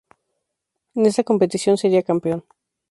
En esta competición sería campeón.